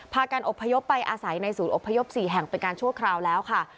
พาการอบพยพไปอาศัยในศูนย์อบพยพ๔แห่งเป็นการชั่วคราวแล้วค่ะ